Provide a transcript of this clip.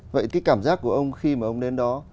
vậy cái cảm giác của ông khi mà ông đến đó